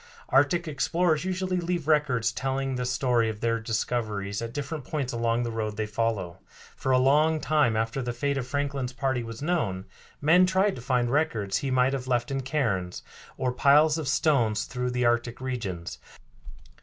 Arctic explorers usually leave records telling the story of their discoveries at different points along the road they follow. For a long time after the fate of Franklin's party was known, men tried to find records he might have left in cairns, or piles of stones through the Arctic regions.